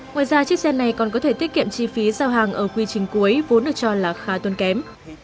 ngoài ra chiếc xe này còn có thể tiết kiệm chi phí giao hàng ở quy trình cuối vốn được cho là khá tuân kém